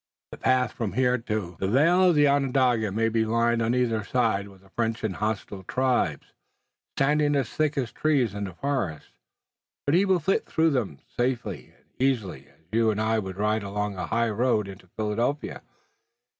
The path from here to the vale of Onondaga may be lined on either side with the French and the hostile tribes, standing as thick as trees in the forest, but he will flit between them as safely and easily as you and I would ride along a highroad into Philadelphia.